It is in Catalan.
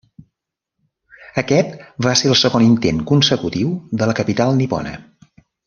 Aquest va ser el segon intent consecutiu de la capital nipona.